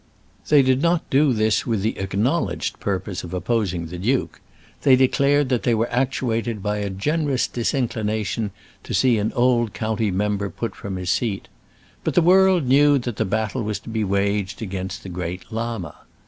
They did not do this with the acknowledged purpose of opposing the duke; they declared that they were actuated by a generous disinclination to see an old county member put from his seat; but the world knew that the battle was to be waged against the great Llama.